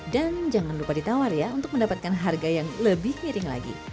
dan jangan lupa ditawar ya untuk mendapatkan harga yang lebih miring lagi